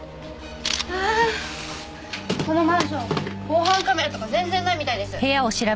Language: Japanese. ああこのマンション防犯カメラとか全然ないみたいです。